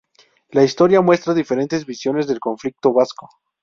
La historia muestra diferentes visiones del conflicto vasco.